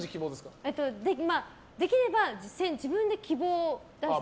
できれば自分で希望を出して。